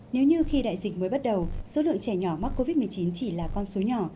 nếu như khi đại dịch mới bắt đầu số lượng trẻ nhỏ mắc covid một mươi chín chỉ là con số nhỏ